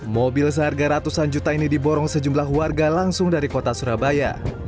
mobil seharga ratusan juta ini diborong sejumlah warga langsung dari kota surabaya